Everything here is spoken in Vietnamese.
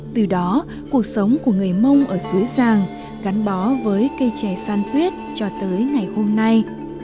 từ đó cuộc sống của người mông ở dưới giàng gắn bó với cây trẻ san tuyết cho tới ngày hôm nay